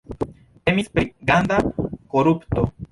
Temis pri granda korupto.